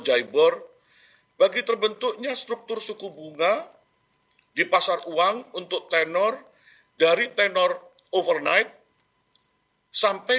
jaibor bagi terbentuknya struktur suku bunga di pasar uang untuk tenor dari tenor overnight sampai